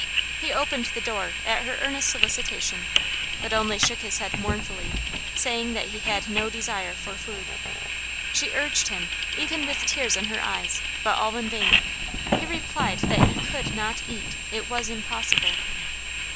He opened the door at her earnest solicitation, but only shook his head mournfully, saying that he had no desire for food. She urged him, even with tears in her eyes, but all in vain; he replied that "he could not eat; it was impossible."